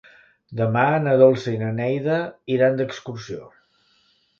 Demà na Dolça i na Neida iran d'excursió.